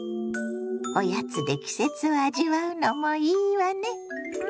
おやつで季節を味わうのもいいわね。